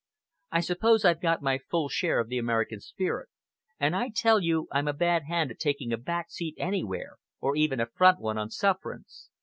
"I suppose I've got my full share of the American spirit, and I tell you I'm a bad hand at taking a back seat anywhere, or even a front one on sufferance.